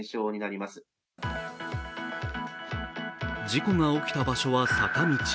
事故が起きた場所は坂道。